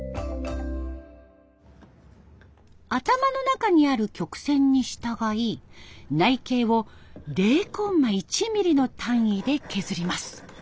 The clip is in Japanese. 頭の中にある曲線に従い内径を０コンマ１ミリの単位で削ります。